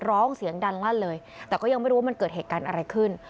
ร้องเสียงดังลั่นเลย